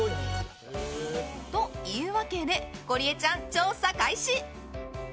というわけでゴリエちゃん、調査開始！